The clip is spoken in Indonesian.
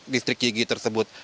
distrik yigi tersebut